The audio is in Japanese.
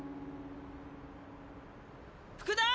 福田！